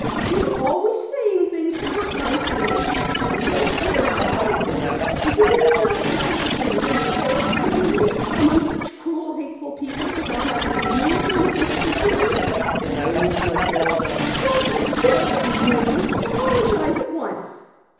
You're always saying things to hurt my feelings. You don't care how I suffer. Isn't it enough that I have to live in this horrible community, among such cruel hateful people without you turning against me too?" "Please, Matilda " "Don't 'Matilda' me! Apologize at once."